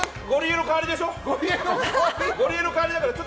ゴリエの代わりでしょ？